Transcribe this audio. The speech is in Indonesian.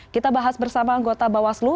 kita bahas bersama anggota bawaslu